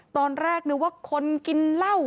ตอนแรกนึกว่าคนกินเหล้า